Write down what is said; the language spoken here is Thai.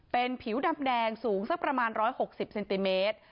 เป็นผิวดำแดงสูงสักประมาณ๑๖๐เซนติเมตร